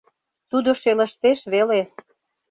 Тудо шелыштеш веле: